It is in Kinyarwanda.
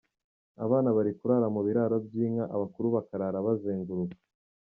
Abana bari kurara mu biraro by’inka, abakuru bakarara bazenguruka.